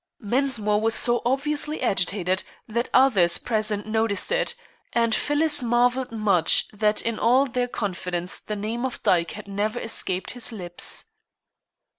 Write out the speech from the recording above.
Mensmore was so obviously agitated that others present noticed it, and Phyllis marvelled much that in all their confidence the name of Dyke had never escaped his lips.